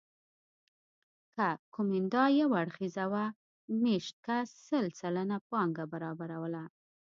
که کومېندا یو اړخیزه وه مېشت کس سل سلنه پانګه برابروله